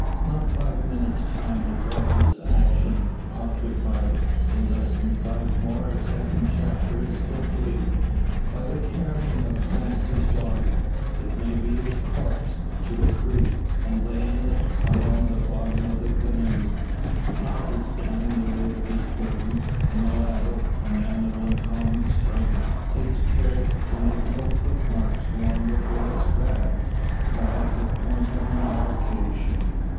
Not five minutes time has all this action occupied. In less than five more a second chapter is complete, by the carrying of Clancy's body it may be his corpse to the creek, and laying it along the bottom of the canoe. Notwithstanding the weight of his burden, the mulatto, a man of uncommon strength, takes care to make no footmarks along the forest path, or at the point of embarkation.